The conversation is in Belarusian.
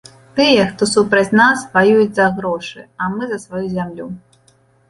Тыя, хто супраць нас, ваююць за грошы, а мы за сваю зямлю.